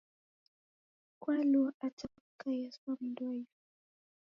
Kwalua ata kwakaia sa mundu wa isu